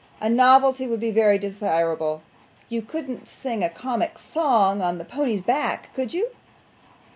A novelty would be very desirable. You couldn't sing a comic song on the pony's back, could you?